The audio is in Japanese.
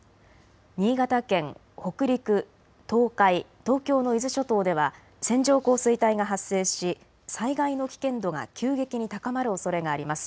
新潟県、北陸、東海、東京の伊豆諸島では線状降水帯が発生し災害の危険度が急激に高まるおそれがあります。